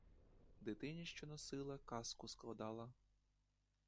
Дитині, що носила, казку складала.